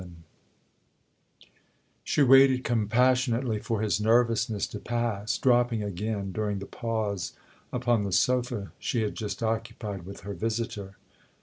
VII SHE waited compassionately for his nervousness to pass, dropping again, during the pause, upon the sofa she had just occupied with her visitor.